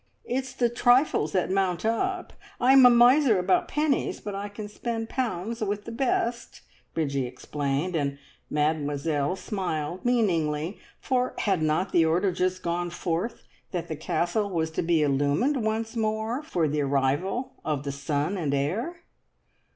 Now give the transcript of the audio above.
"It's the trifles that mount up! I am a miser about pennies, but I can spend pounds with the best!" Bridgie explained; and Mademoiselle smiled meaningly, for had not the order just gone forth that the Castle was to be "illumined" once more for the arrival of the son and heir?